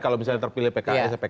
kalau misalnya terpilih pks atau pks